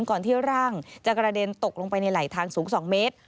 ก่อนที่ร่างจะกระเด็นตกลงไปในไหลทางสูง๒เมตร